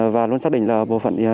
và luôn xác định là bộ phận y tế